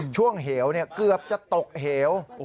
ช่วงเหี่ยวนี่เกือบจะตกเหี่ยว